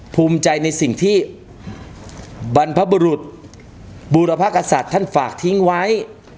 ภูมิใจในสิ่งที่บรรพบุรุษบูรพกษัตริย์ท่านฝากทิ้งไว้